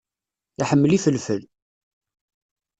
Iḥemmel ifelfel.